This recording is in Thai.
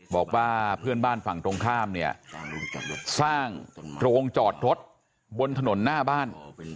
บอกว่าเพื่อนบ้านฝั่งตรงข้ามเนี่ยสร้างโรงจอดรถบนถนนหน้าบ้าน